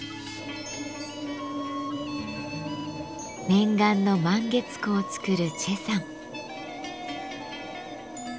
念願の満月壺を作る崔さん。